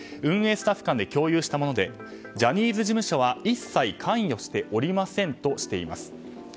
スタッフ間で共有したものでジャニーズ事務所は一切関与しておりませんとしています。